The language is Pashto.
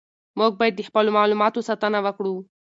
موږ باید د خپلو معلوماتو ساتنه وکړو.